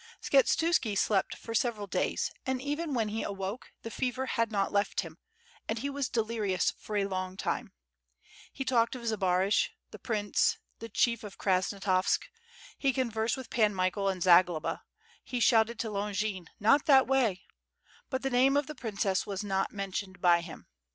Skshetuski slept for several days, and even when he awoke, the fever had not left him, and he was delirious for a long time; he talked of Zbaraj, the prince, the chief of Krasnos tavsk; he conversed with Pan Michael and Zagloba, he shouted to Longin, "not that way;" but the name of the princess was not mentioned by him.